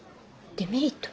デメリット？